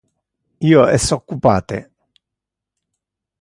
Io es occupate.